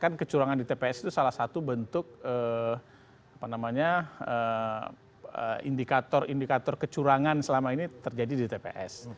karena kecurangan di tps itu salah satu bentuk indikator kecurangan selama ini terjadi di tps